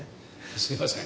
すいません。